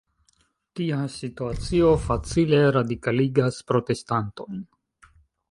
Tia situacio facile radikaligas protestantojn.